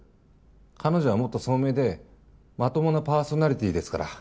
彼女はもっと聡明でまともなパーソナリティーですから。